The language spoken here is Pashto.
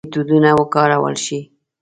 میتودونه وکارول شي.